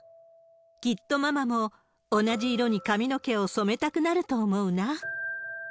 きっとママも、同じ色に髪の毛を染めたくなると思うな。